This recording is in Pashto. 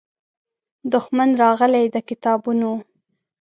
دښمن راغلی د کتابونو